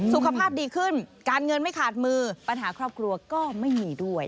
สุขภาพดีขึ้นการเงินไม่ขาดมือปัญหาครอบครัวก็ไม่มีด้วย